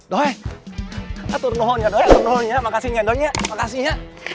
doi atur nohonya doi atur nohonya makasihnya doi ya makasih ya